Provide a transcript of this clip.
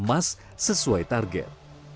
emas sesuai target